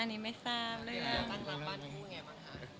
ตั้งละบ้านคู่ยังไงบ้างคะ